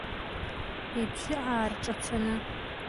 Ибжьы аарҿацаны.